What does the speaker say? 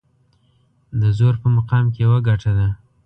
د زور په مقام کې يوه ګټه ده.